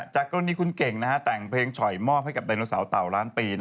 จากกรณีคุณเก่งแต่งเพลงฉ่อยมอบให้กับไดโนเสาร์เต่าล้านปี